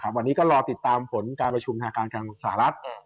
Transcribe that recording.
วันนี้ก็รอติดตามผลการประชุมทางการของสหรัฐ